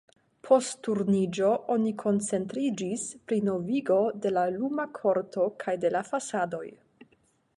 Post Turniĝo oni koncentriĝis pri novigo de la luma korto kaj de la fasadoj.